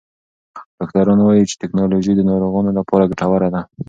ډاکټران وایې چې ټکنالوژي د ناروغانو لپاره ګټوره ده.